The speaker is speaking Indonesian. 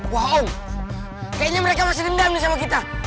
wow kayaknya mereka masih dendam nih sama kita